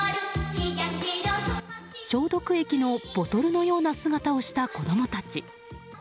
消毒液のボトルのような姿をした子供たち。